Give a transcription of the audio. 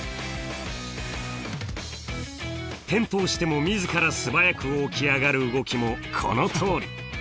転倒しても自ら素早く起き上がる動きもこのとおり。